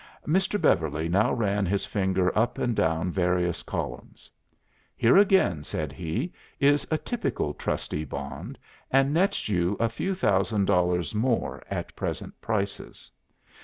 "Mr. Beverly now ran his finger up and down various columns. 'Here again,' said he, 'is a typical trustee bond, and nets you a few thousand dollars more at present prices.